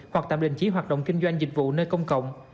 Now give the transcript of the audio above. hoặc tạm đình chỉ hoạt động kinh doanh dịch vụ nơi công cộng